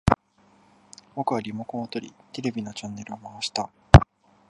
僕はリモコンを取り、テレビのチャンネルを回した